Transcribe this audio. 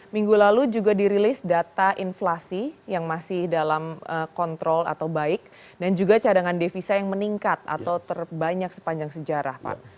minggu lalu juga dirilis data inflasi yang masih dalam kontrol atau baik dan juga cadangan devisa yang meningkat atau terbanyak sepanjang sejarah pak